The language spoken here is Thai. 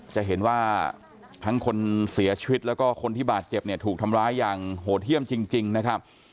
จะเห็นว่าทั้งคนเสียชีวิตแล้วก็คนที่บาดเจ็บเนี่ยถูกทำร้ายอย่างโหดเยี่ยมจริงนะครับ